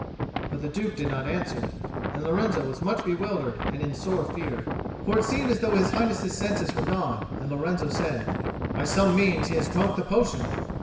But the Duke did not answer. And Lorenzo was much bewildered and in sore fear; for it seemed as though His Highness's senses were gone; and Lorenzo said, "By some means he has drunk the potion!"